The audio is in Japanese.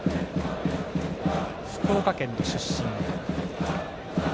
福岡県出身。